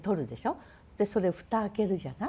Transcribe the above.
それ蓋開けるじゃない？